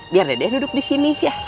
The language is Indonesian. biar dede duduk disini